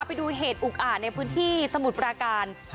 ไปดูเหตุอุกอ่านในพื้นที่สมุทรปราการ